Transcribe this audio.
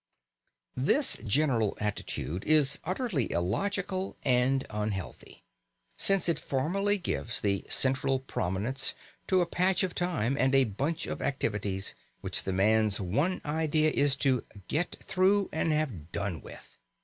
This general attitude is utterly illogical and unhealthy, since it formally gives the central prominence to a patch of time and a bunch of activities which the man's one idea is to "get through" and have "done with."